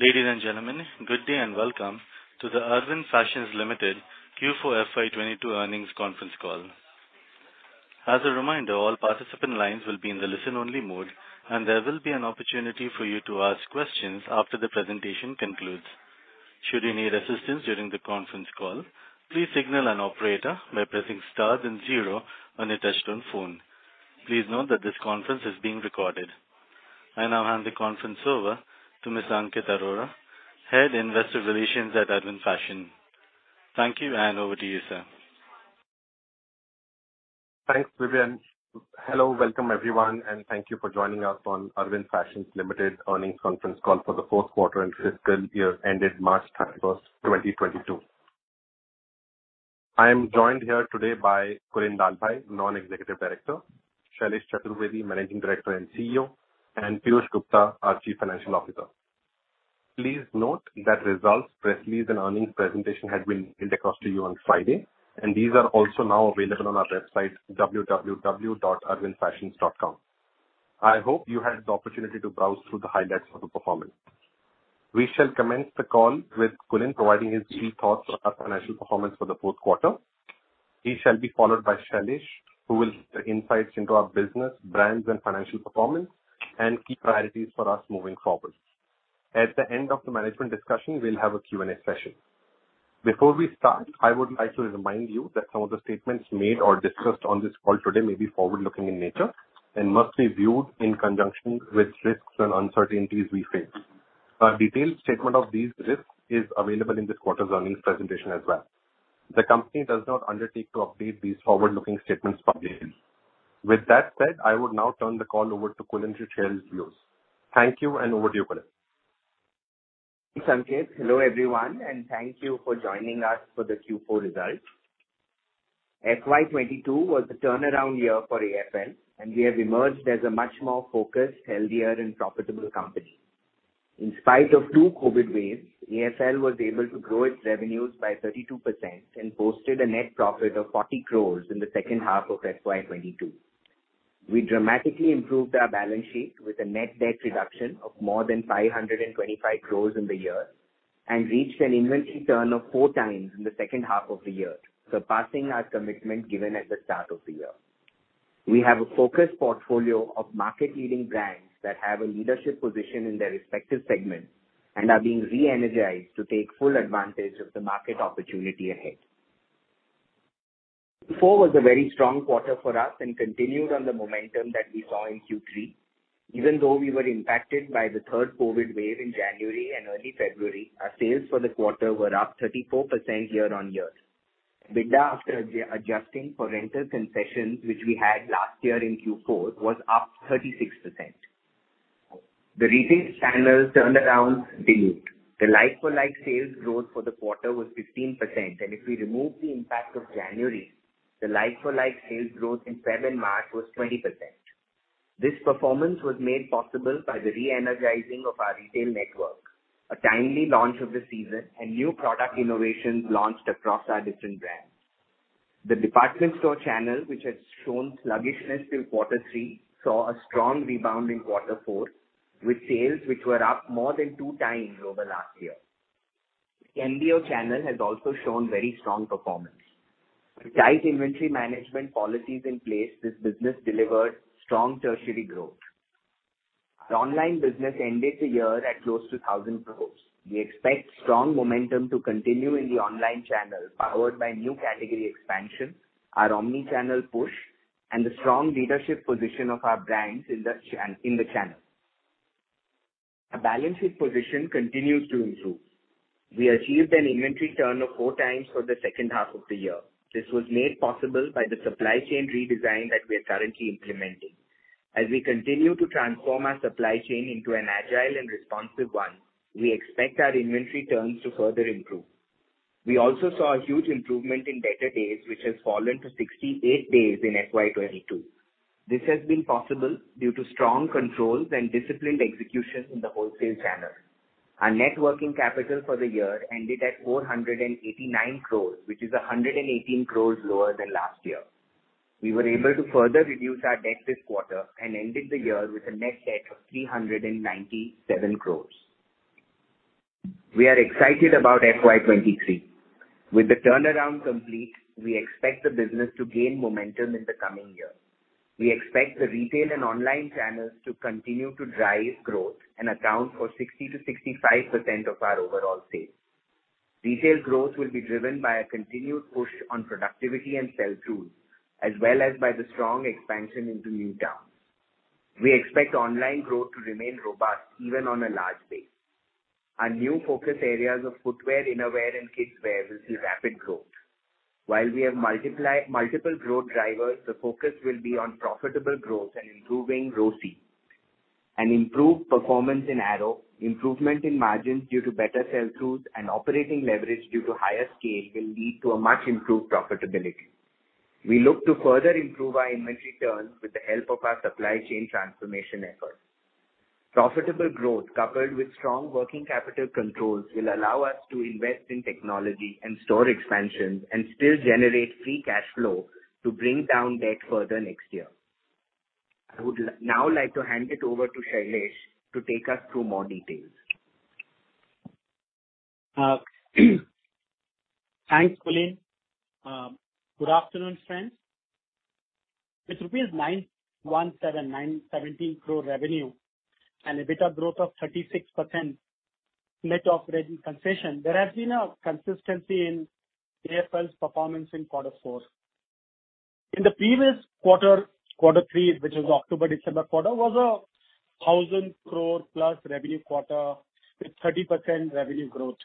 Ladies and gentlemen, good day and welcome to the Arvind Fashions Limited Q4 FY2022 earnings conference call. As a reminder, all participant lines will be in the listen-only mode, and there will be an opportunity for you to ask questions after the presentation concludes. Should you need assistance during the conference call, please signal an operator by pressing star then zero on your touchtone phone. Please note that this conference is being recorded. I now hand the conference over to Mr. Ankit Arora, Head Investor Relations at Arvind Fashions. Thank you, and over to you, sir. Thanks, Vivian. Hello, welcome everyone, and thank you for joining us on Arvind Fashions Limited earnings conference call for the fourth quarter and fiscal year ended March 31, 2022. I am joined here today by Kulin Lalbhai, Non-Executive Director, Shailesh Chaturvedi, Managing Director and CEO, and Piyush Gupta, our Chief Financial Officer. Please note that results, press release and earnings presentation had been mailed across to you on Friday, and these are also now available on our website, www.arvindfashions.com. I hope you had the opportunity to browse through the highlights of the performance. We shall commence the call with Kulin providing his key thoughts on our financial performance for the fourth quarter. He shall be followed by Shailesh, who will give insights into our business, brands and financial performance and key priorities for us moving forward. At the end of the management discussion, we'll have a Q&A session. Before we start, I would like to remind you that some of the statements made or discussed on this call today may be forward-looking in nature and must be viewed in conjunction with risks and uncertainties we face. A detailed statement of these risks is available in this quarter's earnings presentation as well. The company does not undertake to update these forward-looking statements publicly. With that said, I would now turn the call over to Kulin to share his views. Thank you, and over to you, Kulin. Thanks Ankit. Hello, everyone, and thank you for joining us for the Q4 results. FY2022 was a turnaround year for AFL, and we have emerged as a much more focused, healthier and profitable company. In spite of two COVID waves, AFL was able to grow its revenues by 32% and posted a net profit of 40 crores in the second half of FY2022. We dramatically improved our balance sheet with a net debt reduction of more than 525 crores in the year and reached an inventory turn of four times in the second half of the year, surpassing our commitment given at the start of the year. We have a focused portfolio of market-leading brands that have a leadership position in their respective segments and are being re-energized to take full advantage of the market opportunity ahead. Q4 was a very strong quarter for us and continued on the momentum that we saw in Q3. Even though we were impacted by the third COVID wave in January and early February, our sales for the quarter were up 34% year-on-year. EBITDA after adjusting for rental concessions which we had last year in Q4 was up 36%. The retail channels turned around. The like-for-like sales growth for the quarter was 15%, and if we remove the impact of January, the like-for-like sales growth in February and March was 20%. This performance was made possible by the re-energizing of our retail network, a timely launch of the season and new product innovations launched across our different brands. The department store channel, which had shown sluggishness till quarter three, saw a strong rebound in quarter four with sales which were up more than two times over last year. MBO channel has also shown very strong performance. With tight inventory management policies in place, this business delivered strong 30% growth. The online business ended the year at close to 1,000 crores. We expect strong momentum to continue in the online channel, powered by new category expansion, our omni-channel push and the strong leadership position of our brands in the channel. Our balance sheet position continues to improve. We achieved an inventory turn of four times for the second half of the year. This was made possible by the supply chain redesign that we are currently implementing. As we continue to transform our supply chain into an agile and responsive one, we expect our inventory turns to further improve. We also saw a huge improvement in debtor days, which has fallen to 68 days in FY2022. This has been possible due to strong controls and disciplined execution in the wholesale channel. Our net working capital for the year ended at 489 crores, which is 118 crores lower than last year. We were able to further reduce our debt this quarter and ended the year with a net debt of 397 crores. We are excited about FY2023. With the turnaround complete, we expect the business to gain momentum in the coming year. We expect the retail and online channels to continue to drive growth and account for 60%-65% of our overall sales. Retail growth will be driven by a continued push on productivity and sell-through, as well as by the strong expansion into new towns. We expect online growth to remain robust even on a large base. Our new focus areas of footwear, innerwear and kidswear will see rapid growth. While we have multiple growth drivers, the focus will be on profitable growth and improving ROCE. An improved performance in Arrow, improvement in margins due to better sell-through and operating leverage due to higher scale will lead to a much improved profitability. We look to further improve our inventory turns with the help of our supply chain transformation efforts. Profitable growth coupled with strong working capital controls will allow us to invest in technology and store expansions and still generate free cash flow to bring down debt further next year. I would now like to hand it over to Shailesh to take us through more details. Thanks, Kulin. Good afternoon, friends. With rupees 917 crore revenue and EBITDA growth of 36% net of rent concession, there has been a consistency in AFL's performance in quarter four. In the previous quarter three, which is October-December quarter, was a 1,000 crore plus revenue quarter with 30% revenue growth.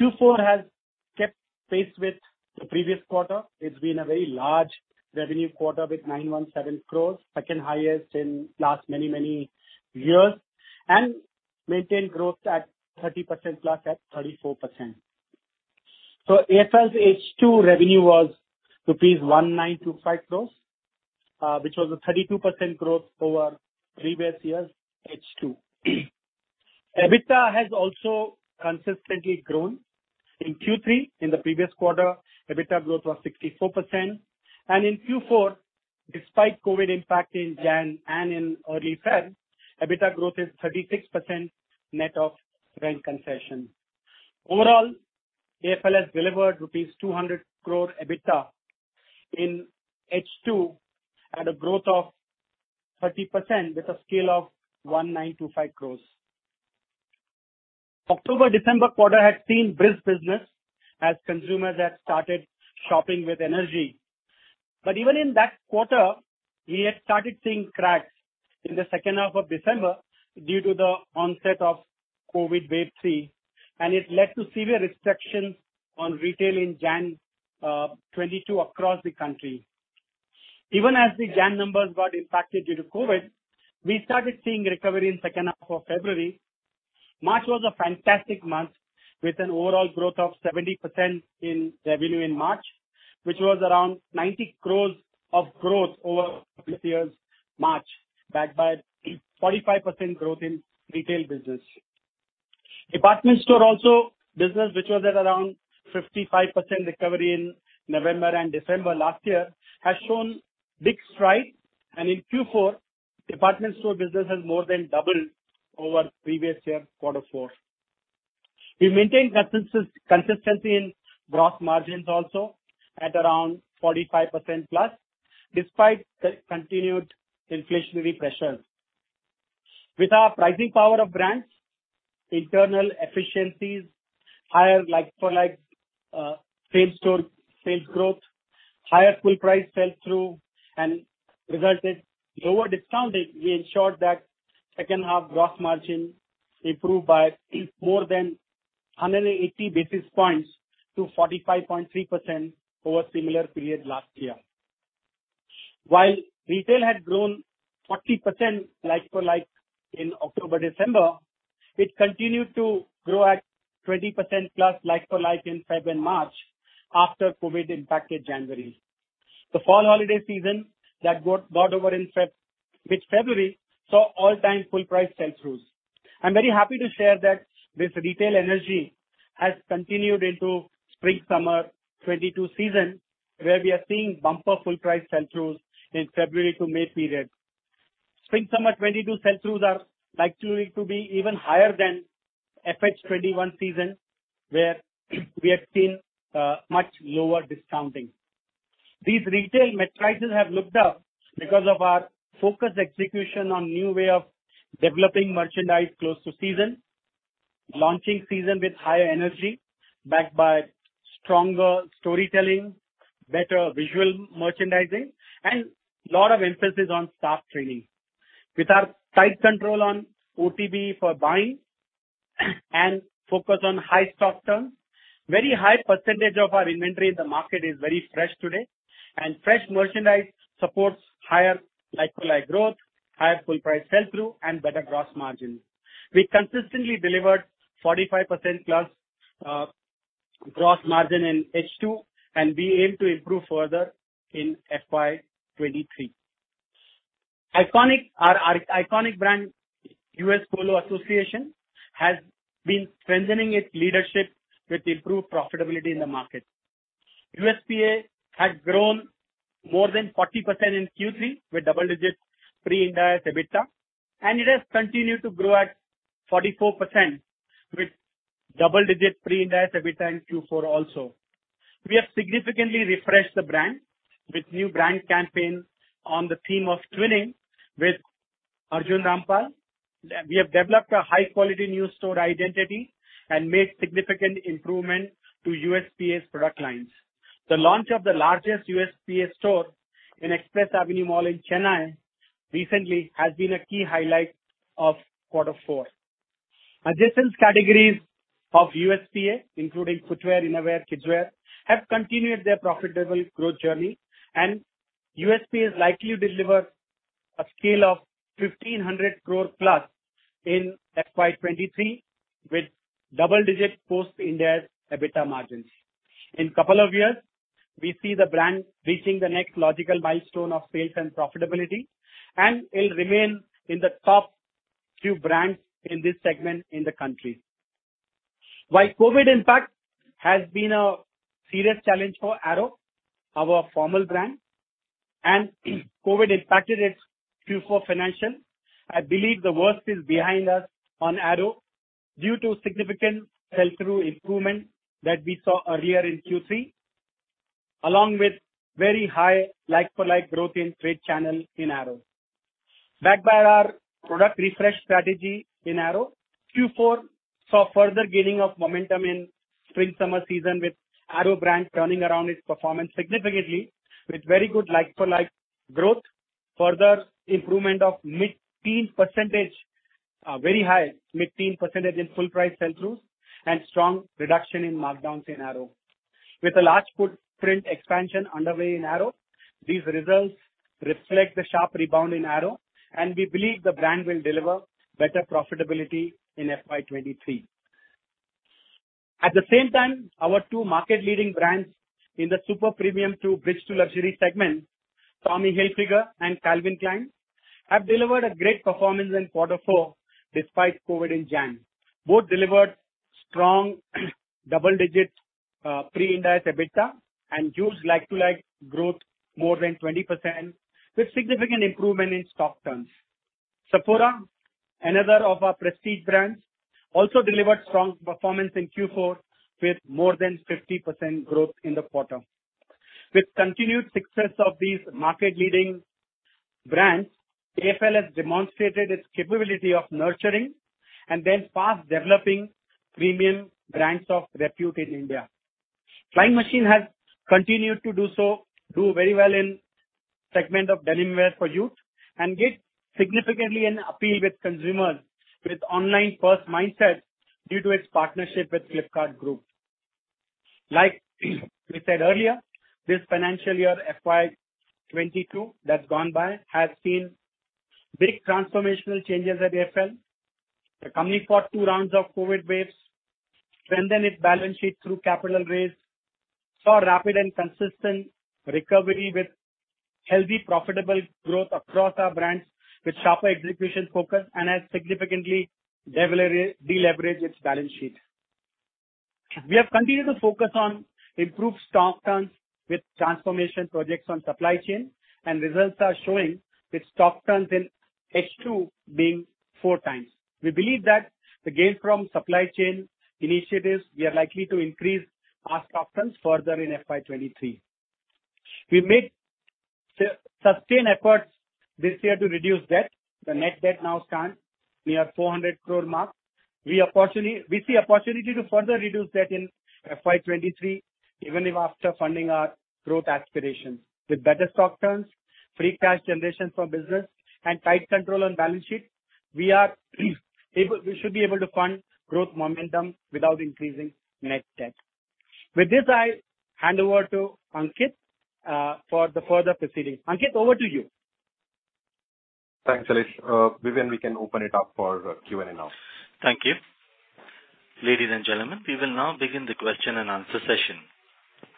Q4 has kept pace with the previous quarter. It's been a very large revenue quarter with 917 crore, second highest in last many, many years, and maintained growth at 30%+ at 34%. AFL's H2 revenue was rupees 1,925 crore, which was a 32% growth over previous year's H2. EBITDA has also consistently grown. In Q3, in the previous quarter, EBITDA growth was 64%. In Q4, despite COVID impact in January and in early February, EBITDA growth is 36% net of rent concession. Overall, AFL has delivered rupees 200 crore EBITDA in H2 at a growth of 30% with a scale of 1,925 crores. October-December quarter has seen brisk business as consumers have started shopping with energy. Even in that quarter, we had started seeing cracks in the second half of December due to the onset of COVID Wave 3, and it led to severe restrictions on retail in January 2022 across the country. Even as the January numbers got impacted due to COVID, we started seeing recovery in second half of February. March was a fantastic month with an overall growth of 70% in revenue in March, which was around 90 crores of growth over previous year's March, backed by 45% growth in retail business. Department store also business, which was at around 55% recovery in November and December last year, has shown big stride. In Q4, department store business has more than doubled over previous year quarter four. We maintained consistency in gross margins also at around 45%+, despite the continued inflationary pressures. With our pricing power of brands, internal efficiencies, higher like-for-like, same-store sales growth, higher full price sell-through and resulted lower discounting, we ensured that second half gross margin improved by more than 180 basis points to 45.3% over similar period last year. While retail had grown 40% like-for-like in October-December, it continued to grow at 20%+ like-for-like in February and March after COVID impacted January. The fall holiday season that got over in February, with February saw all-time full price sell-throughs. I'm very happy to share that this retail energy has continued into spring/summer 2022 season, where we are seeing bumper full price sell-throughs in February to May period. Spring/summer 2022 sell-throughs are likely to be even higher than FY2021 season, where we have seen much lower discounting. These retail metrics have looked up because of our focused execution on new way of developing merchandise close to season, launching season with higher energy backed by stronger storytelling, better visual merchandising, and lot of emphasis on staff training. With our tight control on OTB for buying and focus on high stock turn, very high percentage of our inventory in the market is very fresh today, and fresh merchandise supports higher like-for-like growth, higher full price sell-through, and better gross margin. We consistently delivered 45%+ gross margin in H2 and we aim to improve further in FY2023. Our iconic brand, U.S. Polo Association, has been strengthening its leadership with improved profitability in the market. USPA has grown more than 40% in Q3 with double-digit pre-Ind AS EBITDA, and it has continued to grow at 44% with double-digit pre-Ind AS EBITDA in Q4 also. We have significantly refreshed the brand with new brand campaign on the theme of twinning with Arjun Rampal. We have developed a high-quality new store identity and made significant improvement to USPA's product lines. The launch of the largest USPA store in Express Avenue Mall in Chennai recently has been a key highlight of quarter four. Adjacent categories of USPA, including footwear, innerwear, kidswear, have continued their profitable growth journey, and USPA is likely to deliver a scale of 1,500 crore+ in FY2023 with double-digit post-Ind AS EBITDA margins. In couple of years, we see the brand reaching the next logical milestone of sales and profitability, and it'll remain in the top few brands in this segment in the country. COVID impact has been a serious challenge for Arrow, our formal brand, and COVID impacted its Q4 financials. I believe the worst is behind us on Arrow due to significant sell-through improvement that we saw earlier in Q3, along with very high like-for-like growth in trade channel in Arrow. Backed by our product refresh strategy in Arrow, Q4 saw further gaining of momentum in spring/summer season with Arrow brand turning around its performance significantly with very good like-for-like growth, further improvement of mid-teen %, very high mid-teen % in full price sell-throughs, and strong reduction in markdowns in Arrow. With a large footprint expansion underway in Arrow, these results reflect the sharp rebound in Arrow, and we believe the brand will deliver better profitability in FY2023. At the same time, our two market leading brands in the super premium to bridge to luxury segment, Tommy Hilfiger and Calvin Klein, have delivered a great performance in quarter four despite COVID in January. Both delivered strong double digits, pre-Ind AS EBITDA and huge like-for-like growth more than 20% with significant improvement in stock turns. Sephora, another of our prestige brands, also delivered strong performance in Q4 with more than 50% growth in the quarter. With continued success of these market leading brands, AFL has demonstrated its capability of nurturing and then fast developing premium brands of repute in India. Flying Machine has continued to do very well in segment of denim wear for youth and gained significant appeal with consumers with online first mindset due to its partnership with Flipkart Group. Like we said earlier, this financial year, FY2022, that's gone by, has seen big transformational changes at AFL. The company fought two rounds of COVID waves, strengthened its balance sheet through capital raise, saw rapid and consistent recovery with healthy, profitable growth across our brands with sharper execution focus and has significantly deleveraged its balance sheet. We have continued to focus on improved stock turns with transformation projects on supply chain, and results are showing with stock turns in H2 being four times. We believe that the gain from supply chain initiatives, we are likely to increase our stock turns further in FY2023. We made sustained efforts this year to reduce debt. The net debt now stands near 400 crore mark. We see opportunity to further reduce debt in FY2023, even after funding our growth aspirations. With better stock turns, free cash generation from business and tight control on balance sheet, we should be able to fund growth momentum without increasing net debt. With this, I hand over to Ankit for the further proceedings. Ankit, over to you. Thanks, Shailesh. Vivian, we can open it up for Q&A now. Thank you. Ladies and gentlemen, we will now begin the question and answer session.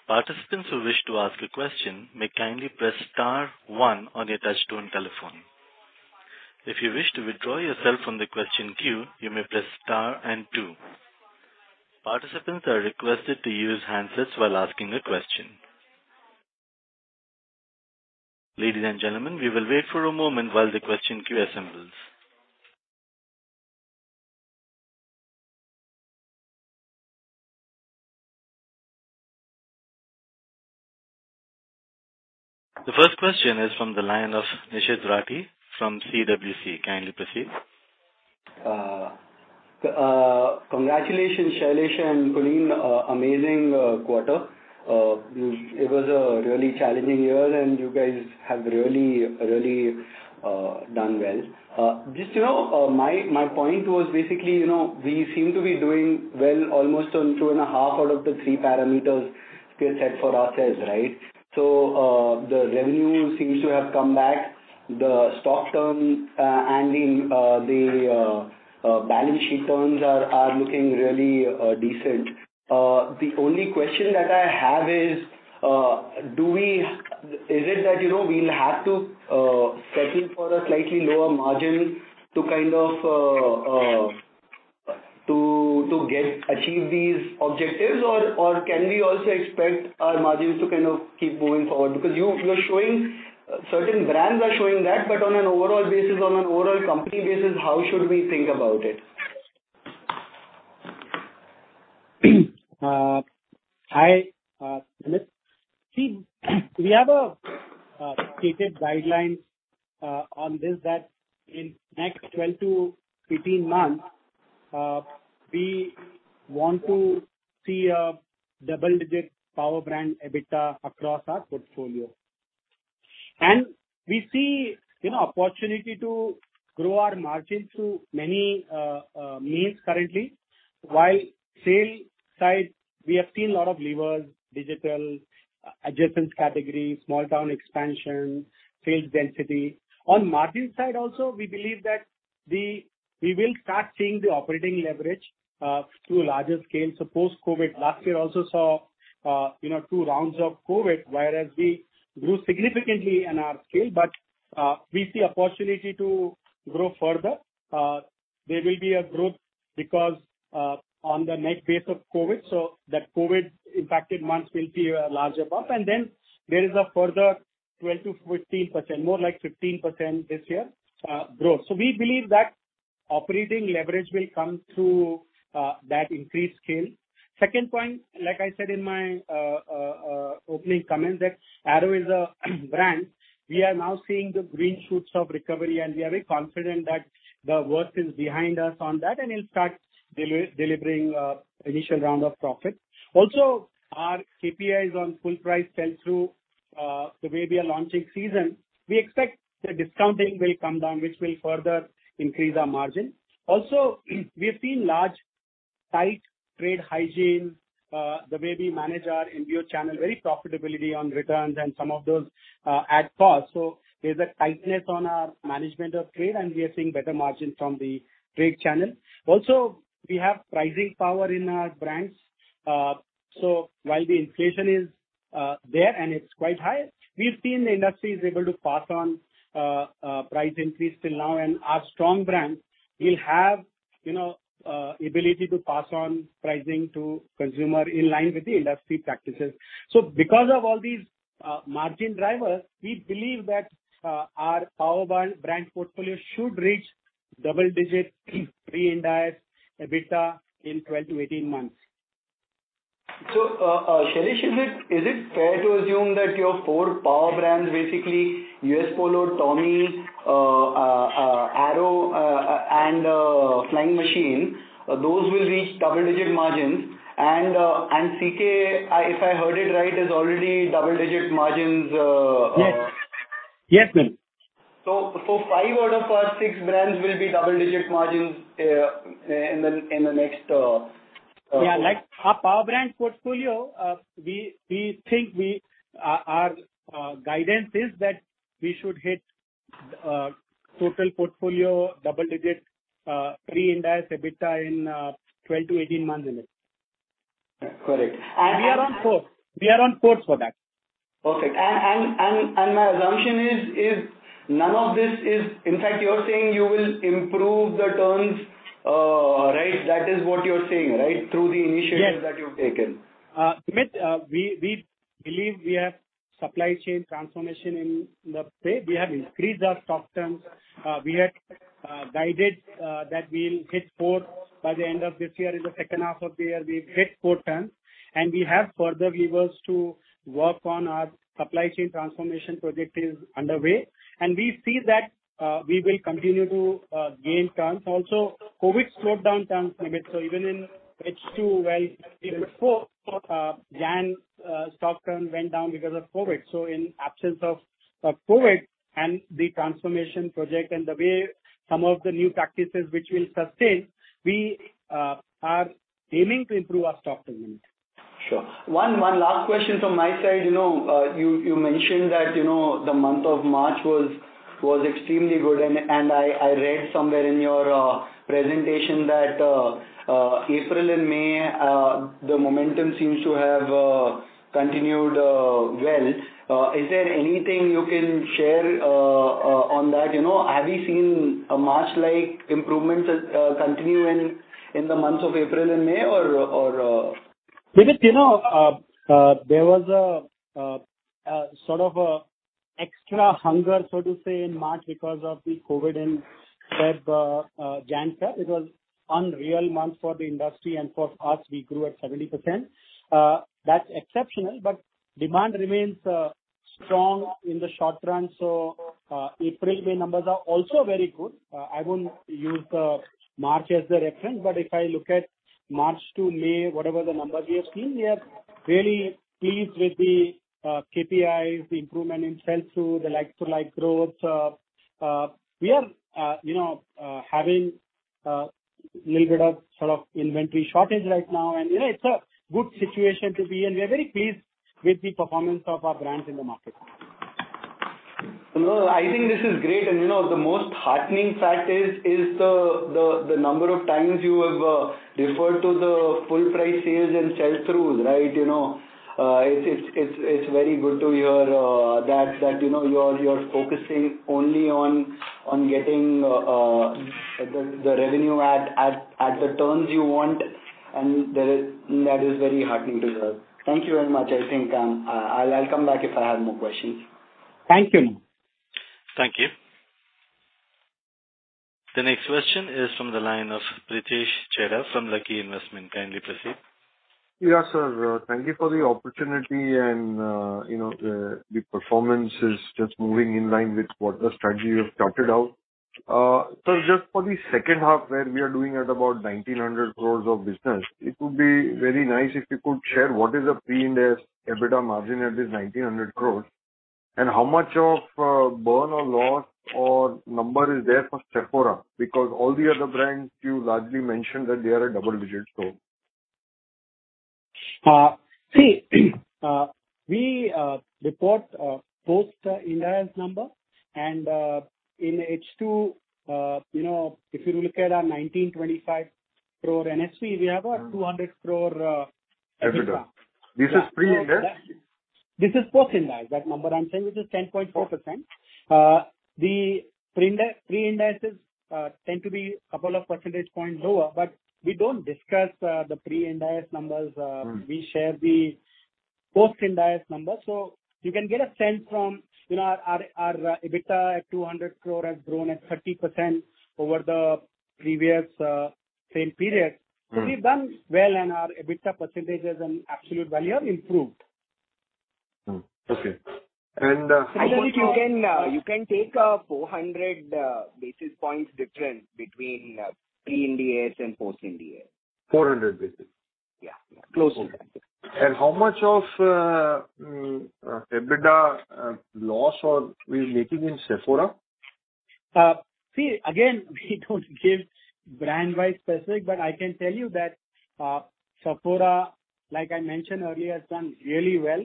Participants who wish to ask a question may kindly press star one on your touchtone telephone. If you wish to withdraw yourself from the question queue, you may press star and two. Participants are requested to use handsets while asking a question. Ladies and gentlemen, we will wait for a moment while the question queue assembles. The first question is from the line of Nishit Rathi from CWC. Kindly proceed. Congratulations, Shailesh and Kulin, amazing quarter. It was a really challenging year, and you guys have really done well. Just, you know, my point was basically, you know, we seem to be doing well almost on two and a half out of the three parameters we had set for ourselves, right? The revenue seems to have come back. The stock turn and the balance sheet turns are looking really decent. The only question that I have is it that, you know, we'll have to settle for a slightly lower margin to kind of achieve these objectives or can we also expect our margins to kind of keep moving forward because you're showing certain brands are showing that, but on an overall basis, on an overall company basis, how should we think about it? We have a stated guideline on this that in next 12-15 months, we want to see a double-digit power brand EBITDA across our portfolio. We see, you know, opportunity to grow our margins through many means currently. While sales side, we have seen a lot of levers, digital, adjacent categories, small town expansion, sales density. On margin side also, we believe that we will start seeing the operating leverage through larger scale. Post-COVID last year also saw, you know, two rounds of COVID, whereas we grew significantly in our scale, but we see opportunity to grow further. There will be a growth because, on the net base of COVID, so that COVID impacted months will be a larger bump. There is a further 12%-14%, more like 15% this year, growth. We believe that operating leverage will come through that increased scale. Second point, like I said in my opening comments that Arrow is a brand. We are now seeing the green shoots of recovery, and we are very confident that the worst is behind us on that and in fact delivering initial round of profit. Also our KPIs on full price sell-through, the way we are launching season, we expect the discounting will come down, which will further increase our margin. Also, we've seen large, tight trade hygiene, the way we manage our online channel, high profitability on returns and some of those ad costs. There's a tightness on our management of trade, and we are seeing better margin from the trade channel. Also, we have pricing power in our brands. While the inflation is there and it's quite high, we've seen the industry is able to pass on price increase till now, and our strong brands will have, you know, ability to pass on pricing to consumer in line with the industry practices. Because of all these margin drivers, we believe that our power brand portfolio should reach double-digit pre-Ind AS EBITDA in 12-18 months. Shailesh, is it fair to assume that your four power brands, basically U.S. Polo, Tommy, Arrow, and Flying Machine, those will reach double-digit margins? CK, if I heard it right, is already double-digit margins. Yes, man. Five out of our six brands will be double-digit margins in the next. Yeah, like our brand portfolio, we think our guidance is that we should hit total portfolio double-digit pre-Ind AS EBITDA in 12-18 months, Nishit. Correct. We are on course. We are on course for that. Perfect. My assumption is none of this is. In fact, you're saying you will improve the terms, right? That is what you're saying, right? Through the initiatives- Yes. -that you've taken. Nishit, we believe we have supply chain transformation in play. We have increased our stock turns. We had guided that we'll hit four by the end of this year. In the second half of the year we hit four turns, and we have further levers to work on. Our supply chain transformation project is underway, and we see that we will continue to gain turns. Also, COVID slowed down turns, Nishit, so even in H2, well, even before January, stock turn went down because of COVID. In absence of COVID and the transformation project and the way some of the new practices which will sustain, we are aiming to improve our stock turns. Sure. One last question from my side. You know, you mentioned that, you know, the month of March was extremely good and I read somewhere in your presentation that April and May the momentum seems to have continued well. Is there anything you can share on that? You know, have you seen March-like improvements continue in the months of April and May or- Nishit, you know, there was a sort of extra hunger, so to say, in March because of the COVID and Feb-Jan cut. It was unreal month for the industry and for us, we grew at 70%. That's exceptional, but demand remains strong in the short run. April, May numbers are also very good. I won't use March as the reference, but if I look at March to May, whatever the number we have seen, we are very pleased with the KPIs, the improvement in sell-through, the like-for-like growth. We are, you know, having little bit of sort of inventory shortage right now and, you know, it's a good situation to be in. We are very pleased with the performance of our brands in the market. No, I think this is great. You know, the most heartening fact is the number of times you have referred to the full price sales and sell-throughs, right? You know, it's very good to hear that you know, you're focusing only on getting the revenue at the terms you want and that is very heartening to hear. Thank you very much. I think, I'll come back if I have more questions. Thank you, Nishit. Thank you. The next question is from the line of Pritesh Chheda from Lucky Investment. Kindly proceed. Yeah, sir. Thank you for the opportunity and the performance is just moving in line with what the strategy you have charted out. Just for the second half where we are doing at about 1,900 crore of business, it would be very nice if you could share what is the pre-Ind AS EBITDA margin at this 1,900 crore, and how much of burn or loss or number is there for Sephora? Because all the other brands you largely mentioned that they are at double digits. We report post the Ind AS number. In H2, you know, if you look at our 1,925 crore NSV, we have a 200 crore. EBITDA. Yeah. This is pre-Ind AS? This is post-Ind AS, that number I'm saying, which is 10.4%. The pre-Ind AS tend to be a couple of percentage points lower, but we don't discuss the pre-Ind AS numbers. Mm-hmm. We share the post-Ind AS numbers. You can get a sense from, you know, our EBITDA at 200 crore has grown at 30% over the previous same period. Mm-hmm. We've done well and our EBITDA percentages and absolute value have improved. Okay. I think you can take a 400 basis points difference between pre-Ind AS and post-Ind AS. 400 basis. Yeah. Yeah. Close to that. How much of EBITDA loss are we making in Sephora? See, again, we don't give brand-wise specific, but I can tell you that, Sephora, like I mentioned earlier, has done really well.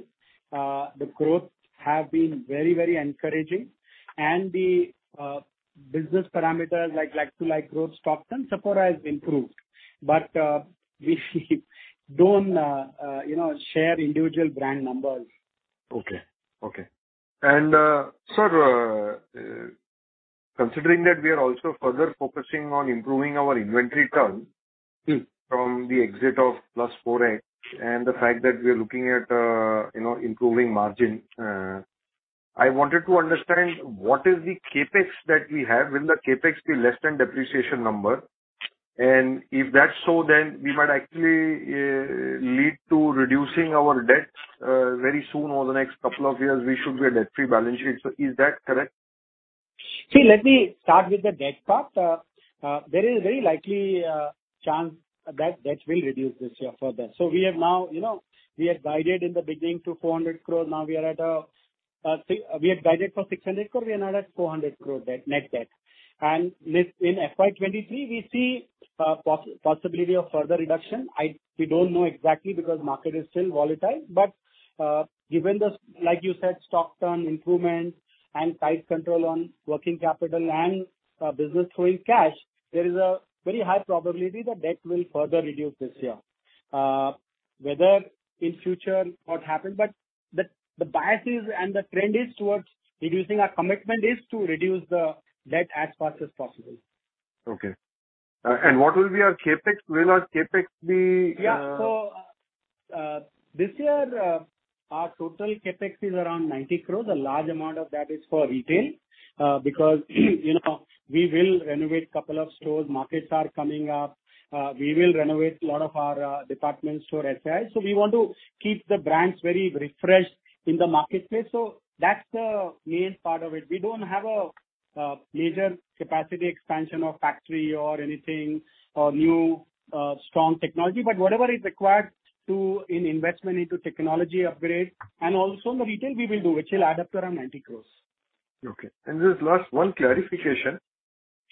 The growth have been very, very encouraging. The business parameters like-for-like growth stock turn, Sephora has improved. We don't, you know, share individual brand numbers. Okay. Sir, considering that we are also further focusing on improving our inventory turn- Mm-hmm. From the exit of Sephora and the fact that we are looking at, you know, improving margin, I wanted to understand what is the CapEx that we have. Will the CapEx be less than depreciation number? If that's so, then we might actually lead to reducing our debt very soon over the next couple of years. We should be a debt-free balance sheet. Is that correct? See, let me start with the debt part. There is very likely chance that debt will reduce this year further. We have now, you know, we had guided in the beginning to 400 crore. Now we are at. We had guided for 600 crore, we are now at 400 crore debt, net debt. This in FY2023, we see possibility of further reduction. We don't know exactly because market is still volatile. Given the, like you said, stock turn improvement and tight control on working capital and business throwing cash, there is a very high probability the debt will further reduce this year. Whether in future what happen, the bias is and the trend is towards reducing. Our commitment is to reduce the debt as fast as possible. Okay. What will be our CapEx? Will our CapEx be- Yeah. This year, our total CapEx is around 90 crore. The large amount of that is for retail, because, you know, we will renovate couple of stores. Markets are coming up. We will renovate a lot of our department store, etc. We want to keep the brands very refreshed in the marketplace. That's the main part of it. We don't have a major capacity expansion or factory or anything, or new strong technology. Whatever is required to invest in technology upgrade and also in the retail we will do, which will add up to around 90 crores. Okay. Just last one clarification.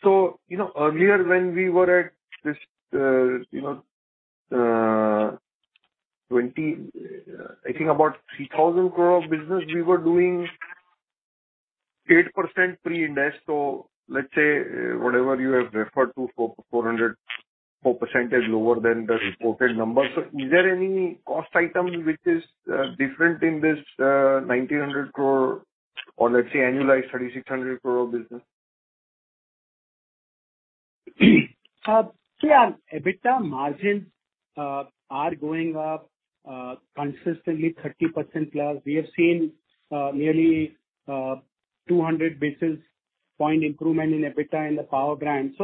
You know, earlier when we were at this, you know, I think about 3,000 crore of business we were doing, 8% pre-Ind AS. Let's say, whatever you have referred to, for 400, 4% lower than the reported numbers. Is there any cost item which is different in this 1,900 crore or let's say annualized 3,600 crore of business? See our EBITDA margins are going up consistently 30%+. We have seen nearly 200 basis point improvement in EBITDA in the power brand.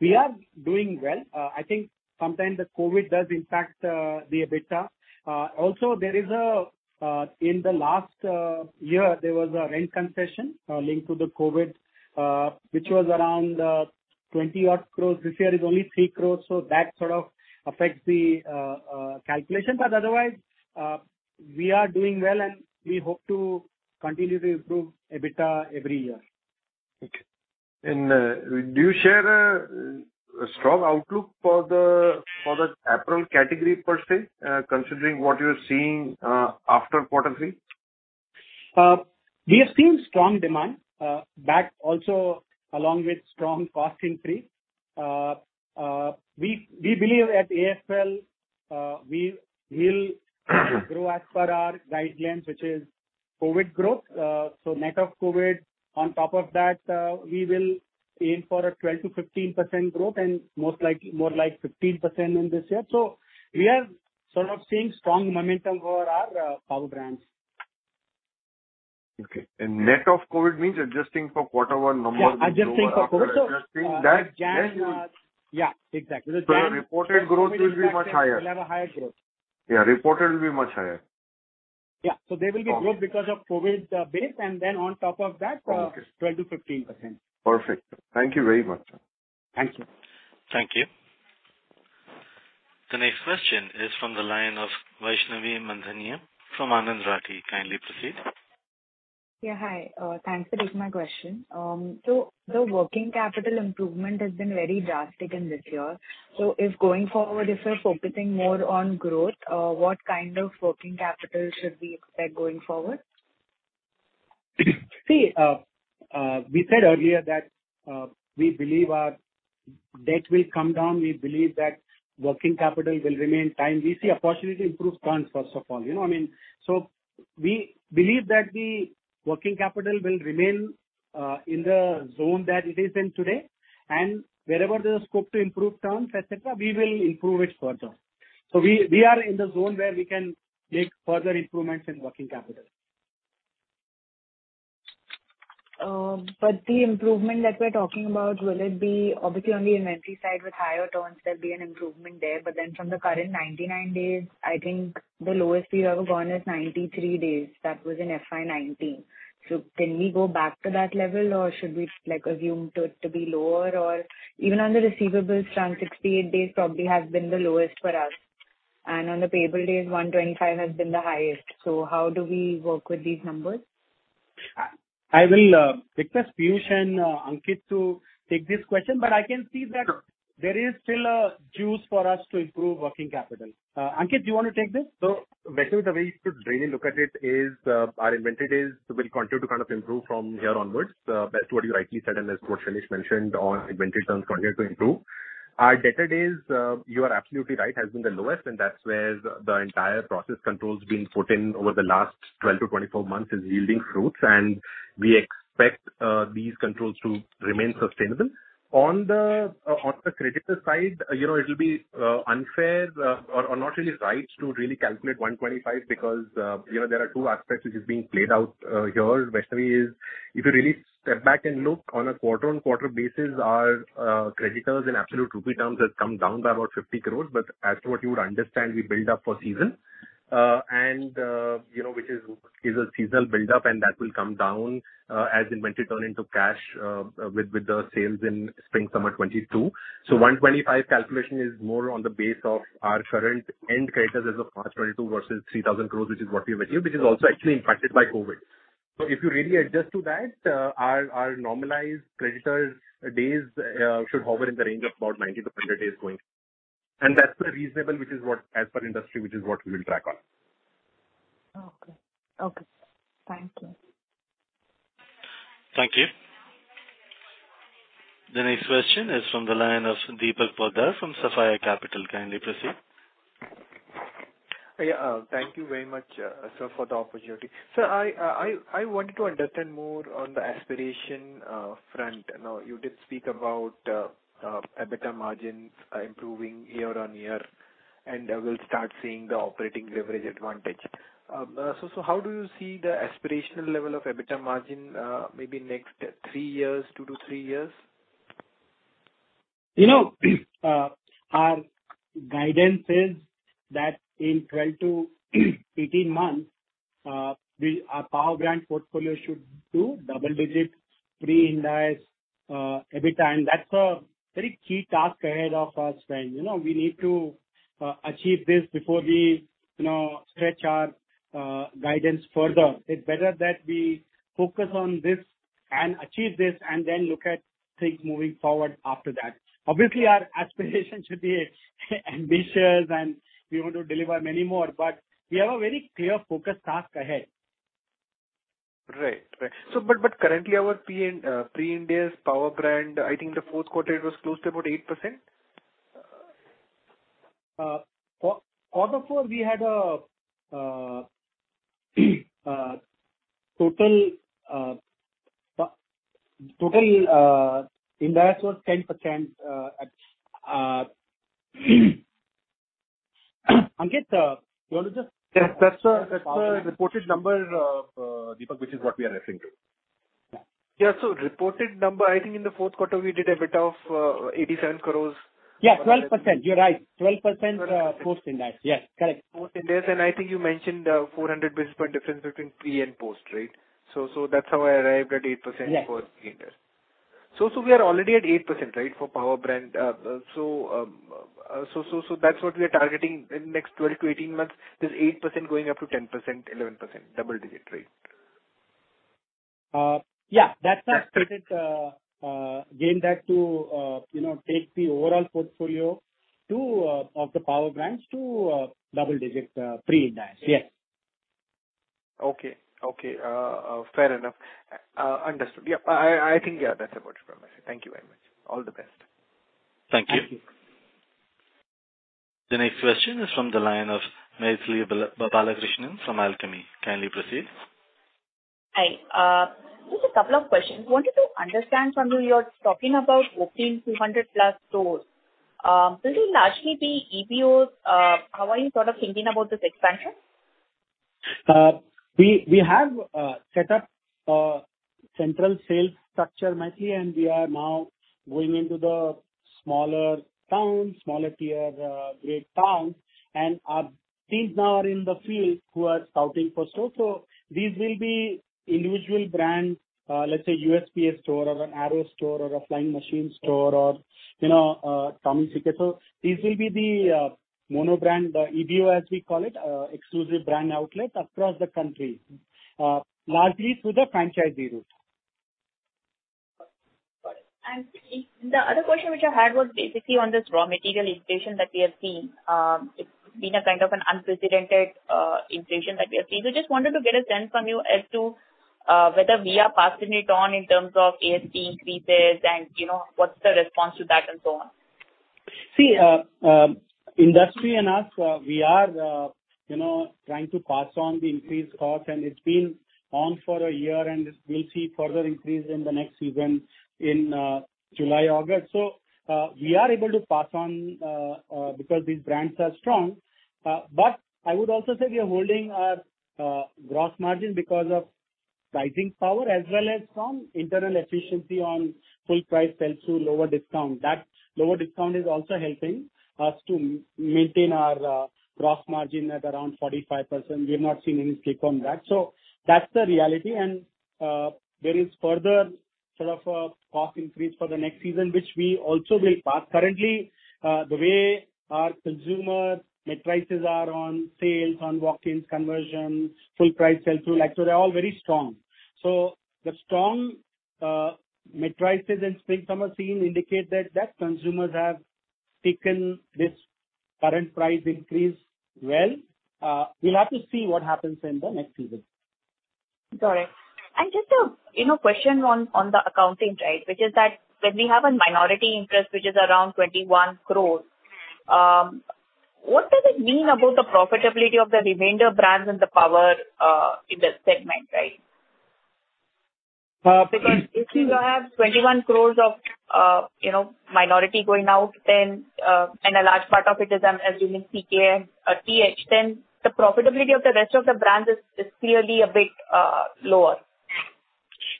We are doing well. I think sometimes the COVID does impact the EBITDA. Also, in the last year, there was a rent concession linked to the COVID, which was around 20-odd crores. This year is only 3 crores, so that sort of affects the calculation. Otherwise, we are doing well, and we hope to continue to improve EBITDA every year. Okay. Do you share a strong outlook for the apparel category per se, considering what you're seeing after quarter three? We are seeing strong demand, backed also along with strong cost increase. We believe at AFL, we will grow as per our guidelines, which is COVID growth. Net of COVID, on top of that, we will aim for a 12%-15% growth and more like 15% in this year. We are sort of seeing strong momentum over our power brands. Net of COVID means adjusting for quarter one numbers. Yeah. Adjusting for COVID. Adjusting that. January, yeah, exactly. The January- Your reported growth will be much higher. Will have a higher growth. Yeah, reported will be much higher. Yeah. Okay. There will be growth because of COVID base, and then on top of that. Okay. 12%-15%. Perfect. Thank you very much, sir. Thank you. Thank you. The next question is from the line of Vaishnavi Mandhaniya from Anand Rathi. Kindly proceed. Yeah, hi. Thanks for taking my question. The working capital improvement has been very drastic in this year. If going forward, if you're focusing more on growth, what kind of working capital should we expect going forward? We said earlier that we believe our debt will come down. We believe that working capital will remain tight. We see opportunity to improve terms first of all. You know what I mean? We believe that the working capital will remain in the zone that it is in today, and wherever there's a scope to improve terms, etc., we will improve it further. We are in the zone where we can make further improvements in working capital. The improvement that we're talking about, will it be obviously on the inventory side with higher turns, there'll be an improvement there. From the current 99 days, I think the lowest we've ever gone is 93 days. That was in FY2019. Can we go back to that level or should we like assume to be lower? Or even on the receivables term, 68 days probably has been the lowest for us, and on the payable days, 125 has been the highest. How do we work with these numbers? I will request Piyush and Ankit to take this question, but I can see that there is still room for us to improve working capital. Ankit, do you wanna take this? Vaishnavi, the way you should really look at it is, our inventory days will continue to kind of improve from here onwards, as to what you rightly said, and as what Shailesh mentioned on inventory terms continue to improve. Our debtor days, you are absolutely right, has been the lowest, and that's where the entire process controls being put in over the last 12-24 months is yielding fruits. We expect these controls to remain sustainable. On the creditor side, you know, it'll be unfair, or not really right to really calculate 125 because, you know, there are two aspects which is being played out, here. Vaishnavi, if you really step back and look on a quarter-on-quarter basis, our creditors in absolute rupee terms has come down by about 50 crores. As to what you would understand, we build up for season. you know, which is a seasonal build up, and that will come down as inventory turn into cash with the sales in spring/summer 2022. 125 calculation is more on the base of our current net creditors as of March 2022 versus 3,000 crore, which is what we have achieved, which is also actually impacted by COVID. If you really adjust to that, our normalized creditor days should hover in the range of about 90-100 days going. That's the reasonable, which is what as per industry, which is what we will track on. Okay. Thank you. Thank you. The next question is from the line of Deepak Poddar from Sapphire Capital. Kindly proceed. Yeah, thank you very much, sir, for the opportunity. Sir, I wanted to understand more on the aspirational front. Now, you did speak about EBITDA margins improving year-on-year, and we'll start seeing the operating leverage advantage. How do you see the aspirational level of EBITDA margin, maybe next three years, two to three years? You know, our guidance is that in 12-18 months, our power brand portfolio should do double-digit pre-Ind AS EBITDA, and that's a very key task ahead of us then. You know, we need to achieve this before we, you know, stretch our guidance further. It's better that we focus on this and achieve this, and then look at things moving forward after that. Obviously, our aspiration should be ambitious and we want to deliver many more, but we have a very clear focus task ahead. Currently our pre-Ind AS power brand, I think the fourth quarter it was close to about 8%. Quarter four we had a total pre-Ind AS was 10%, Ankit, do you wanna just- Yes, that's the reported number, Deepak, which is what we are referring to. Yeah. Reported number, I think in the fourth quarter we did a bit of 87 crore. Yeah, 12%. You're right. 12%, post-Ind AS. Yes, correct. Post-Ind AS, I think you mentioned 400 basis point difference between pre and post, right? So that's how I arrived at 8%- Yes. -post-Ind AS. We are already at 8%, right, for power brand. That's what we are targeting in next 12-18 months. This 8% going up to 10%, 11%, double digit, right? Yeah. That's our target, get that to, you know, take the overall portfolio of the power brands to double digits, pre-Ind AS. Yes. Okay. Fair enough. Understood. Yeah, I think, yeah, that's about it from my side. Thank you very much. All the best. Thank you. Thank you. The next question is from the line of Mythili Balakrishnan from Alchemy. Kindly proceed. Hi. Just a couple of questions. Wanted to understand from you're talking about opening 200+ stores. Will it largely be EBOs? How are you sort of thinking about this expansion? We have set up a central sales structure, Mythili, and we are now going into the smaller towns, smaller tier, grade towns, and our teams now are in the field who are scouting for store. These will be individual brand, let's say, USPA store or an Arrow store or a Flying Machine store or, you know, Tommy Hilfiger. These will be the mono brand, the EBO as we call it, exclusive brand outlet across the country, largely through the franchisee route. The other question which I had was basically on this raw material inflation that we have seen. It's been a kind of an unprecedented inflation that we are seeing. Just wanted to get a sense from you as to whether we are passing it on in terms of ASP increases and, you know, what's the response to that and so on. See, industry and us, we are, you know, trying to pass on the increased cost, and it's been going on for a year, and we'll see further increase in the next season in July, August. We are able to pass on because these brands are strong. I would also say we are holding our gross margin because of pricing power as well as some internal efficiency on full price sell-through lower discount. That lower discount is also helping us to maintain our gross margin at around 45%. We have not seen any dip on that. That's the reality. There is further sort of a cost increase for the next season, which we also will pass. Currently, the way our consumer metrics are on sales, on walk-ins conversion, full price sell-through, like, they're all very strong. The strong metrics in spring-summer season indicate that consumers have taken this current price increase well. We'll have to see what happens in the next season. Got it. Just a, you know, question on the accounting, right, which is that when we have a minority interest which is around 21 crores, what does it mean about the profitability of the remainder brands in the power brand segment, right? Uh- Because if you have 21 crores of, you know, minority going out, then, and a large part of it is, I'm assuming CK, TH, then the profitability of the rest of the brands is clearly a bit lower.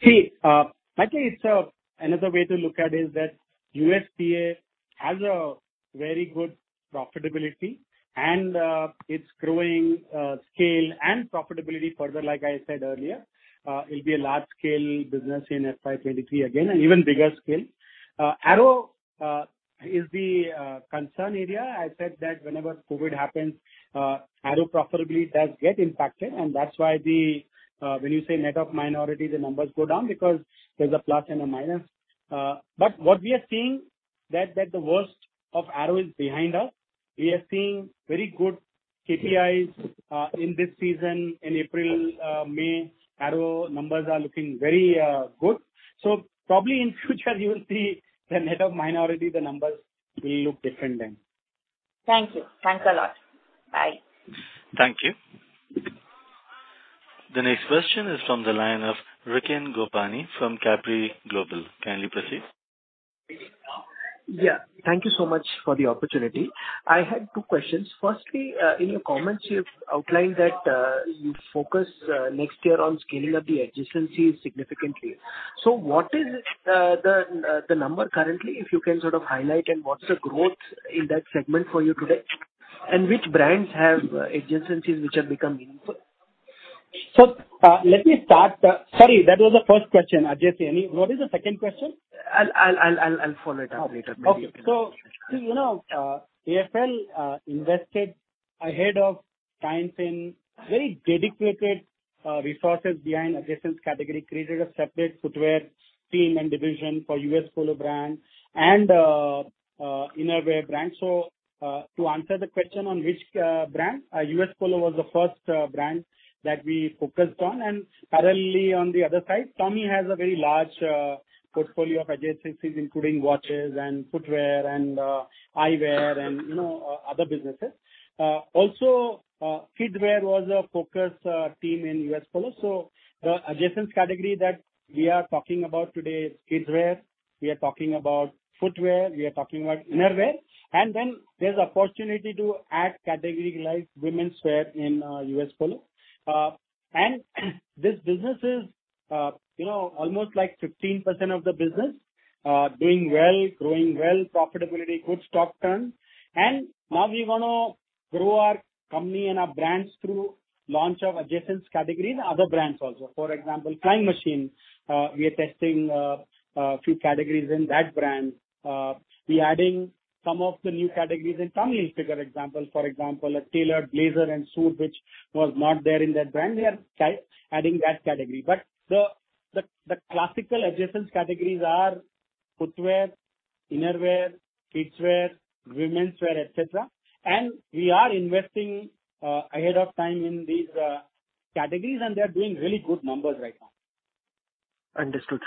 See, actually it's another way to look at is that USPA has a very good profitability and, it's growing scale and profitability further, like I said earlier. It'll be a large scale business in FY2023, again, an even bigger scale. Arrow is the concern area. I said that whenever COVID happens, Arrow profitability does get impacted, and that's why when you say net of minority, the numbers go down because there's a plus and a minus. What we are seeing that the worst of Arrow is behind us. We are seeing very good KPIs in this season. In April, May, Arrow numbers are looking very good. Probably in future you will see the net of minority, the numbers will look different then. Thank you. Thanks a lot. Bye. Thank you. The next question is from the line of Riken Gopani from Capri Global. Kindly proceed. Yeah. Thank you so much for the opportunity. I had two questions. Firstly, in your comments you've outlined that you focus next year on scaling up the adjacencies significantly. What is the number currently, if you can sort of highlight, and what's the growth in that segment for you today? Which brands have adjacencies which have become meaningful? Sorry, that was the first question, adjacency. What is the second question? I'll follow it up later. Maybe you can. Okay. You know, AFL invested ahead of time in very dedicated resources behind adjacency category, created a separate footwear team and division for U.S. Polo brand and innerwear brand. To answer the question on which brand, U.S. Polo was the first brand that we focused on. Parallelly on the other side, Tommy has a very large portfolio of adjacencies, including watches and footwear and eyewear and, you know, other businesses. Kidswear was a focus team in U.S. Polo. The adjacency category that we are talking about today is kidswear, we are talking about footwear, we are talking about innerwear. Then there's opportunity to add category like womenswear in U.S. Polo. This business is, you know, almost like 15% of the business, doing well, growing well, profitability, good stock turn. Now we wanna grow our company and our brands through launch of adjacency category in other brands also. For example, Flying Machine, we are testing a few categories in that brand. We're adding some of the new categories in Tommy Hilfiger example. For example, a tailored blazer and suit which was not there in that brand. We are adding that category. But the classical adjacency categories are footwear, innerwear, kidswear, womenswear, et cetera. We are investing ahead of time in these categories, and they are doing really good numbers right now. Understood.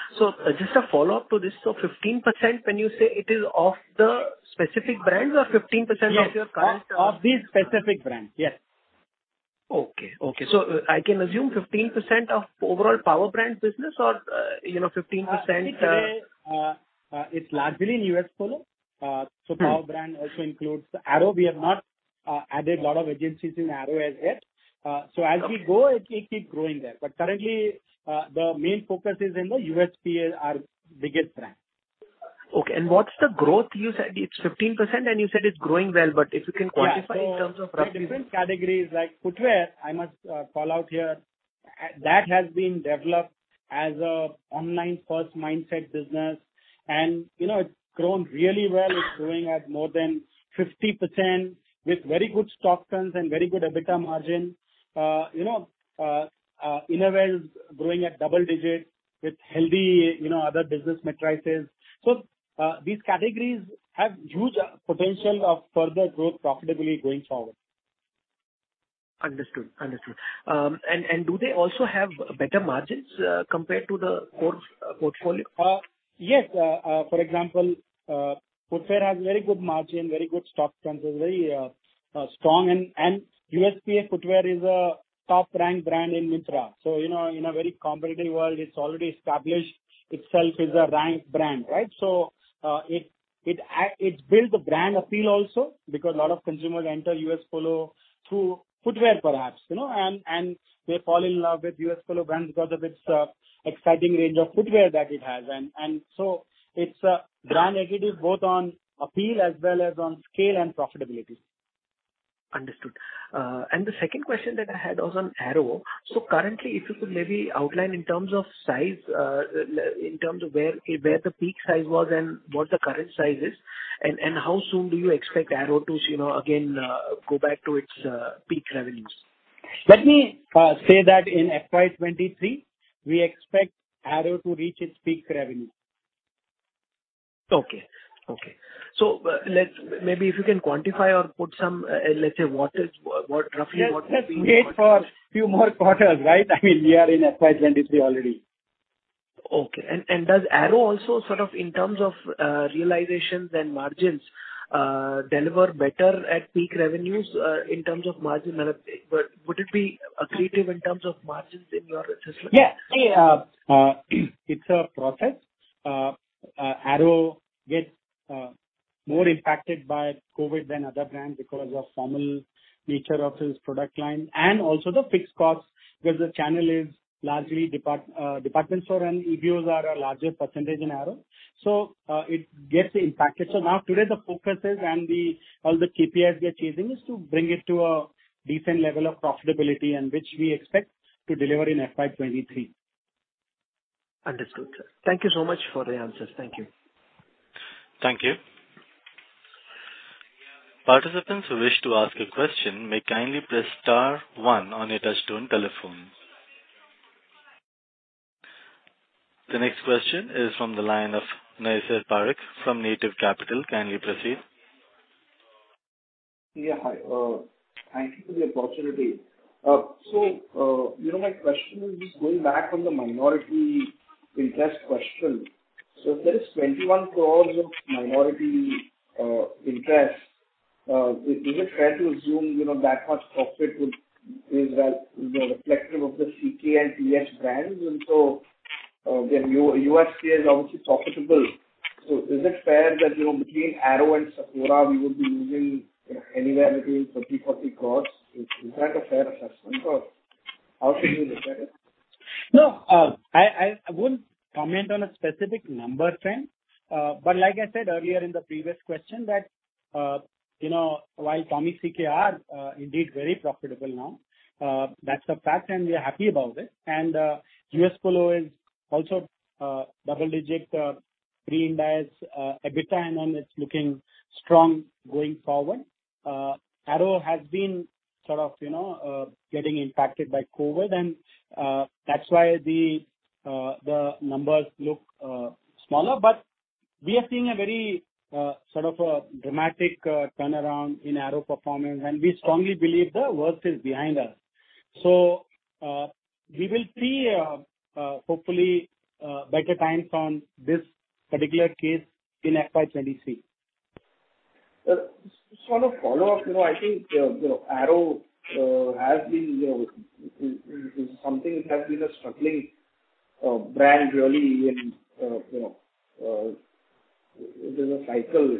Just a follow-up to this. 15% when you say it is of the specific brands or 15% of your current- Yes. Of these specific brands. Yes. Okay. I can assume 15% of overall power brand business or, you know, 15%. I think today, it's largely in U.S. Polo. Mm-hmm. Power brand also includes Arrow. We have not added lot of adjacencies in Arrow as yet. As we go, it will keep growing there. Currently, the main focus is in the USPA, our biggest brand. Okay. What's the growth? You said it's 15%, and you said it's growing well, but if you can quantify in terms of roughly. Yeah. The different categories like footwear, I must call out here. That has been developed as an online-first mindset business. You know, it's grown really well. It's growing at more than 50% with very good stock turns and very good EBITDA margin. You know, innerwear growing at double-digit with healthy, you know, other business metrics. These categories have huge potential for further growth profitably going forward. Understood. Do they also have better margins, compared to the core sport portfolio? Yes. For example, footwear has very good margin, very good stock turns, it's very strong and USPA footwear is a top ranked brand in Myntra. You know, in a very competitive world, it's already established itself as a ranked brand, right? It builds the brand appeal also because a lot of consumers enter U.S. Polo through footwear perhaps, you know, and they fall in love with U.S. Polo brand because of its exciting range of footwear that it has. It's brand-accretive both on appeal as well as on scale and profitability. Understood. The second question that I had was on Arrow. Currently, if you could maybe outline in terms of size, in terms of where the peak size was and what the current size is, and how soon do you expect Arrow to, you know, again, go back to its peak revenues? Let me say that in FY2023, we expect Arrow to reach its peak revenue. Okay. Maybe if you can quantify or put some, let's say, what roughly what Let's wait for few more quarters, right? I mean, we are in FY2023 already. Okay. Does Arrow also sort of in terms of realizations and margins deliver better at peak revenues in terms of margin? Or would it be accretive in terms of margins in your assessment? It's a process. Arrow gets more impacted by COVID than other brands because of formal nature of its product line and also the fixed costs because the channel is largely department store, and EBOs are a larger percentage in Arrow. It gets impacted. Now today the focus is all the KPIs we are chasing is to bring it to a decent level of profitability, and which we expect to deliver in FY2023. Understood, sir. Thank you so much for the answers. Thank you. Thank you. Participants who wish to ask a question may kindly press star one on your touch-tone telephone. The next question is from the line of Naysar Parikh from Native Capital. Kindly proceed. Yeah. Hi. Thank you for the opportunity. You know, my question is just going back on the minority interest question. If there is 21 crore of minority interest, is it fair to assume, you know, that much profit is reflective of the CK and TH brands? When USPA is obviously profitable, so is it fair that, you know, between Arrow and Sephora, we would be using, you know, anywhere between 30 crore-40 crore? Is that a fair assessment or how should we look at it? No. I wouldn't comment on a specific number trend. Like I said earlier in the previous question that, you know, while Tommy and CK are indeed very profitable now, that's a fact, and we are happy about it. And U.S. Polo is also double-digit pre-Ind AS EBITDA, and then it's looking strong going forward. Arrow has been sort of, you know, getting impacted by COVID and that's why the numbers look smaller. We are seeing a very sort of a dramatic turnaround in Arrow performance, and we strongly believe the worst is behind us. We will see hopefully better times on this particular case in FY2023. Just sort of follow up. You know, I think, you know, Arrow has been, you know, is something which has been a struggling brand really in, you know, there's a cycle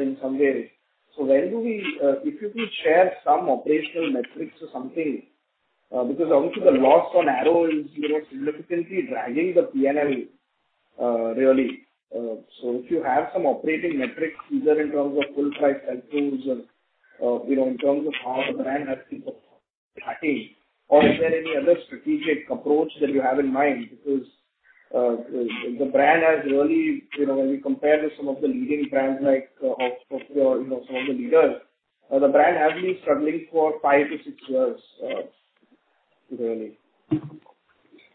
in some ways. If you could share some operational metrics or something, because obviously the loss on Arrow is, you know, significantly dragging the P&L, really. If you have some operating metrics, either in terms of full price sell-throughs or, you know, in terms of how the brand has been performing or is there any other strategic approach that you have in mind? Because, the brand has really, you know, when we compare to some of the leading brands like Sephora, you know, some of the leaders, the brand has been struggling for 5-6 years, really.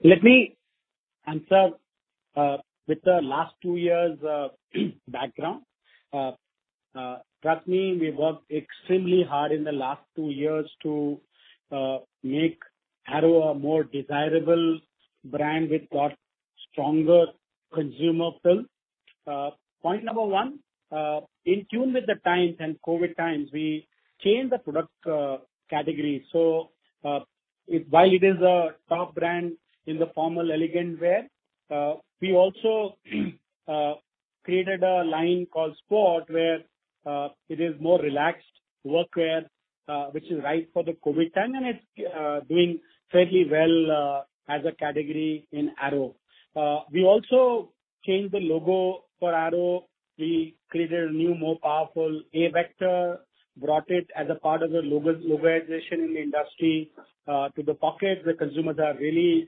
Let me answer with the last two years' background. Trust me, we worked extremely hard in the last two years to make Arrow a more desirable brand with much stronger consumer pull. Point number one, in tune with the times and COVID times, we changed the product category. While it is a top brand in the formal elegant wear, we also created a line called Sport where it is more relaxed work wear, which is right for the COVID time, and it's doing fairly well as a category in Arrow. We also changed the logo for Arrow. We created a new, more powerful A vector, brought it as a part of the logo, logoization in the industry to the pocket. The consumers are really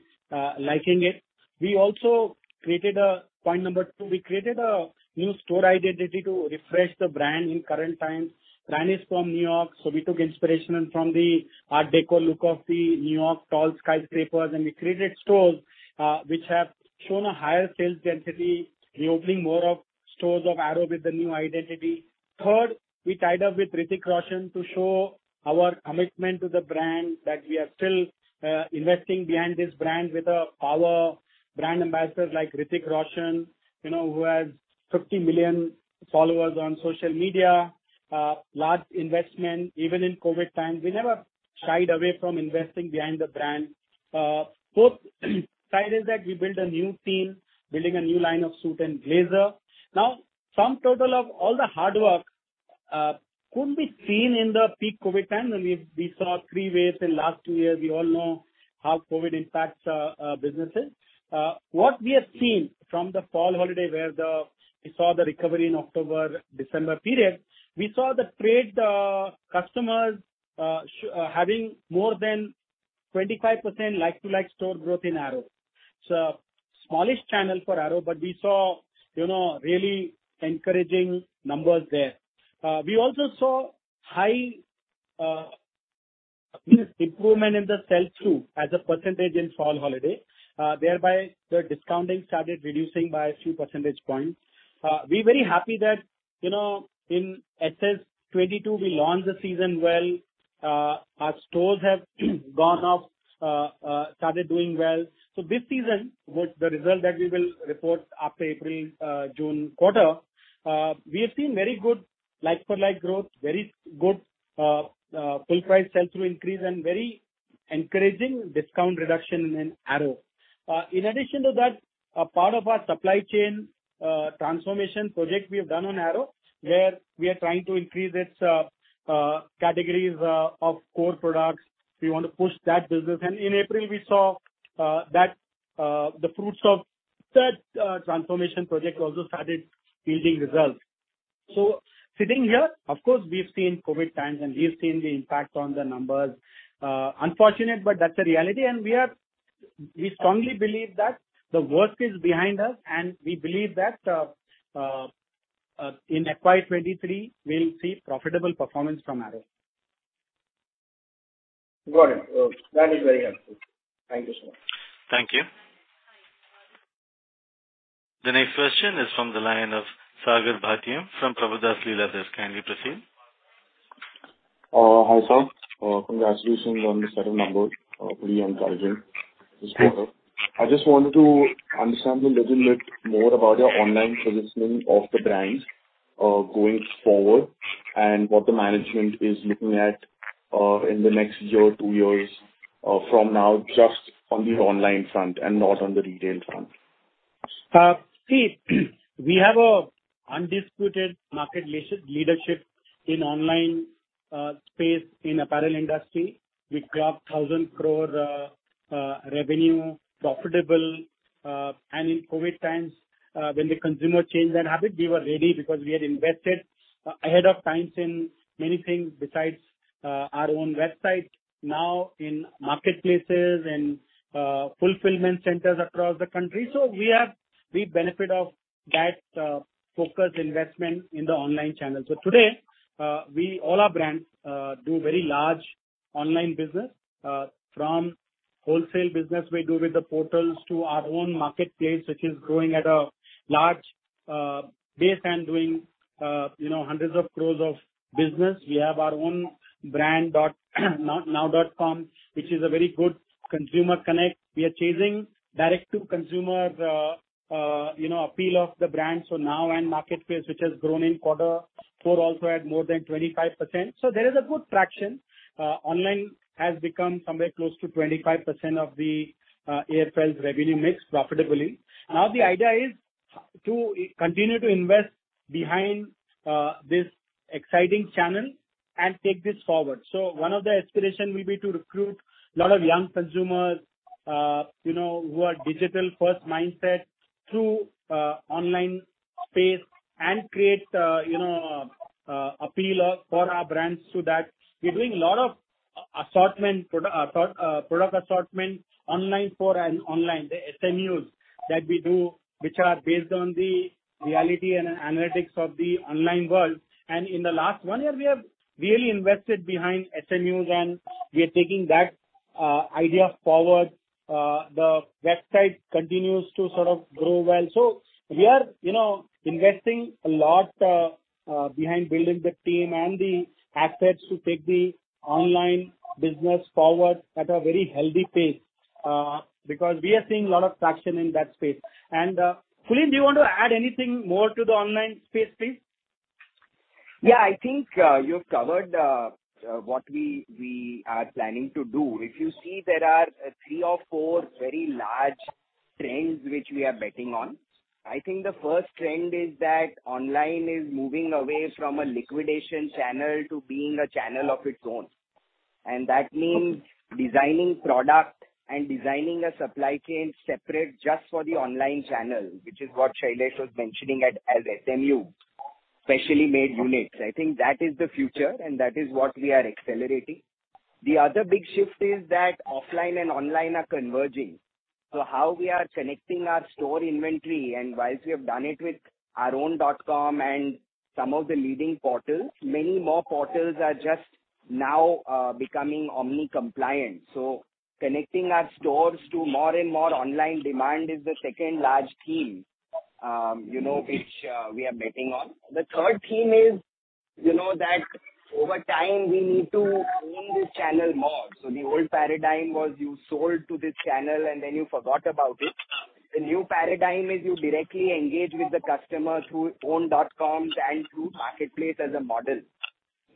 liking it. We also created point number two, we created a new store identity to refresh the brand in current times. Brand is from New York, so we took inspiration from the art deco look of the New York tall skyscrapers, and we created stores, which have shown a higher sales density, reopening more of stores of Arrow with the new identity. Third, we tied up with Hrithik Roshan to show our commitment to the brand, that we are still investing behind this brand with our brand ambassadors like Hrithik Roshan, you know, who has 50 million followers on social media. Large investment, even in COVID times. We never shied away from investing behind the brand. Fourth side is that we built a new team, building a new line of suit and blazer. Now, sum total of all the hard work could be seen in the peak COVID time. We saw three waves in last two years. We all know how COVID impacts businesses. What we have seen from the fall holiday we saw the recovery in October-December period, we saw the trade customers having more than 25% like-for-like store growth in Arrow. It's a smallish channel for Arrow, but we saw, you know, really encouraging numbers there. We also saw high improvement in the sell-through as a percentage in fall holiday, thereby the discounting started reducing by a few percentage points. We're very happy that, you know, in FY2022 we launched the season well. Our stores have gone up, started doing well. This season with the result that we will report after April, June quarter, we have seen very good like-for-like growth, very good full price sell-through increase and very encouraging discount reduction in Arrow. In addition to that, a part of our supply chain transformation project we have done on Arrow, where we are trying to increase its categories of core products. We want to push that business. In April we saw that the fruits of that transformation project also started yielding results. Sitting here, of course, we've seen COVID times, and we've seen the impact on the numbers. Unfortunate, but that's the reality. We strongly believe that the worst is behind us, and we believe that in FY2023 we'll see profitable performance from Arrow. Got it. That is very helpful. Thank you so much. Thank you. The next question is from the line of Sagar Bhatia from Prabhudas Lilladher. Kindly proceed. Hi, sir. Congratulations on the set of numbers. Pretty encouraging this quarter. I just wanted to understand a little bit more about your online positioning of the brands, going forward and what the management is looking at, in the next year or two years, from now, just on the online front and not on the retail front. See, we have a undisputed market leadership in online space in apparel industry. We crossed 1,000 crore revenue, profitable. In COVID times, when the consumer changed their habit, we were ready because we had invested ahead of time in many things besides our own website now in marketplaces and fulfillment centers across the country. We have the benefit of that focused investment in the online channel. Today, we all our brands do very large online business from wholesale business we do with the portals to our own marketplace, which is growing at a large base and doing, you know, hundreds of crores INR of business. We have our own brandnow.com, which is a very good consumer connect. We are chasing direct to consumer, you know, appeal of the brand. Now in marketplace, which has grown in quarter four also at more than 25%. There is a good traction. Online has become somewhere close to 25% of the AFL's revenue mix profitably. Now, the idea is to continue to invest behind this exciting channel and take this forward. One of the aspiration will be to recruit a lot of young consumers, you know, who are digital-first mindset through online space and create, you know, appeal for our brands so that we're doing a lot of assortment product assortment online for online. The SMUs that we do, which are based on the reality and analytics of the online world. In the last one year, we have really invested behind SMUs, and we are taking that idea forward. The website continues to sort of grow well. We are, you know, investing a lot behind building the team and the assets to take the online business forward at a very healthy pace, because we are seeing a lot of traction in that space. And Kulin, do you want to add anything more to the online space, please? Yeah. I think you've covered what we are planning to do. If you see there are three or four very large trends which we are betting on. I think the first trend is that online is moving away from a liquidation channel to being a channel of its own. That means designing product and designing a supply chain separate just for the online channel, which is what Shailesh was mentioning it as SMU. Specially made units. I think that is the future and that is what we are accelerating. The other big shift is that offline and online are converging. How we are connecting our store inventory, and while we have done it with our own dot-com and some of the leading portals, many more portals are just now becoming omni compliant. Connecting our stores to more and more online demand is the second large theme, you know, which we are betting on. The third theme is, you know, that over time we need to own this channel more. The old paradigm was you sold to this channel and then you forgot about it. The new paradigm is you directly engage with the customer through own dot-coms and through marketplace as a model.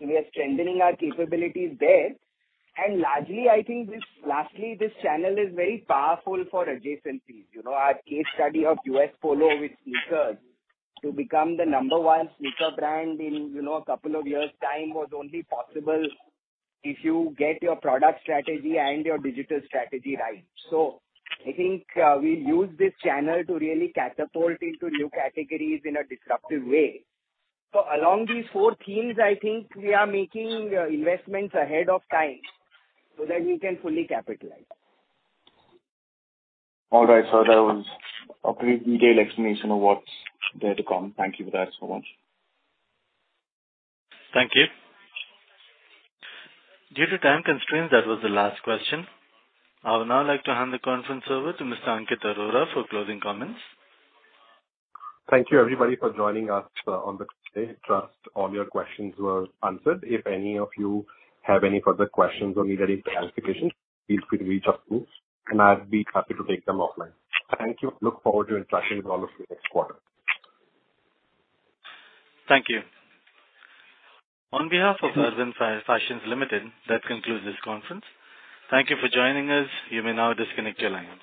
We are strengthening our capabilities there. Largely, I think, lastly, this channel is very powerful for adjacencies. You know, our case study of U.S. Polo with sneakers to become the number one sneaker brand in, you know, a couple of years' time was only possible if you get your product strategy and your digital strategy right. I think we use this channel to really catapult into new categories in a disruptive way. Along these four themes, I think we are making investments ahead of time so that we can fully capitalize. All right, sir. That was a pretty detailed explanation of what's there to come. Thank you for that so much. Thank you. Due to time constraints, that was the last question. I would now like to hand the conference over to Mr. Ankit Arora for closing comments. Thank you everybody for joining us on the call today. Trust all your questions were answered. If any of you have any further questions or need any clarifications, feel free to reach out to me, and I'd be happy to take them offline. Thank you. Look forward to interacting with all of you next quarter. Thank you. On behalf of Arvind Fashions Limited, that concludes this conference. Thank you for joining us. You may now disconnect your lines.